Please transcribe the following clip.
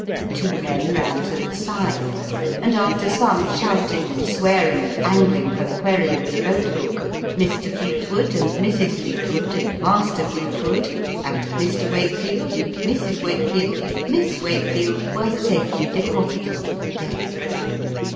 Two men ran to the side ; and after some shouting, and swearing, and angling for the wherry with a boat hook, Mr. Fleetwood, and Mrs. Fleetwood, and Master Fleetwood, and Mr. Wakefield, and Mrs. Wakefield, and Miss Wakefield, were safely deposited on the deck.